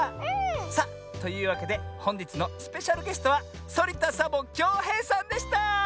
さあというわけでほんじつのスペシャルゲストはそりた・サボ・きょうへいさんでした！